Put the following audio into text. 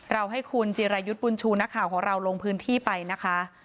ให้คุณจิรายุทธ์บุญชูนักข่าวของเราลงพื้นที่ไปนะคะ